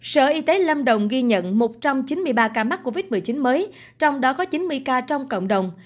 sở y tế lâm đồng ghi nhận một trăm chín mươi ba ca mắc covid một mươi chín mới trong đó có chín mươi ca trong cộng đồng